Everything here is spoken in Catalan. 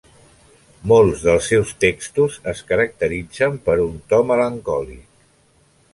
Molts dels seus textos es caracteritzen per un to melancòlic.